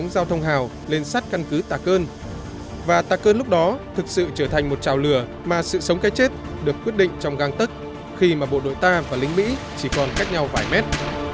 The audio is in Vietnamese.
và tucker lúc đó thực sự trở thành một trào lửa mà sự sống cái chết được quyết định trong găng tất khi mà bộ đội ta và lính mỹ chỉ còn cách nhau vài mét